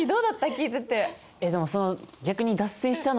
聞いてて。